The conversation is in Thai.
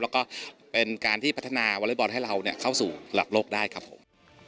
แล้วก็เป็นการที่พัฒนาวอเล็กบอลให้เราเข้าสู่หลักโลกได้ครับผม